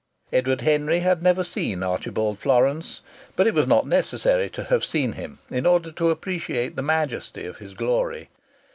Edward Henry had never seen Archibald Florance, but it was not necessary to have seen him in order to appreciate the majesty of his glory.